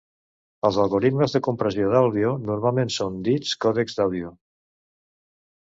Els algorismes de compressió d'àudio normalment són dits còdecs d'àudio.